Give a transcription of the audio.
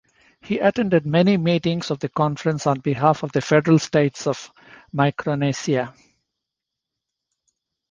He attended many meetings of the Conference on behalf the Federated States of Micronesia.